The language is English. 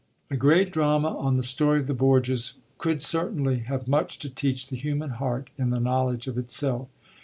A great drama on the story of the Borgias could certainly have much to teach the human heart in the knowledge of itself.